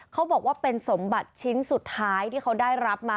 เขาบอกว่าเป็นสมบัติชิ้นสุดท้ายที่เขาได้รับมา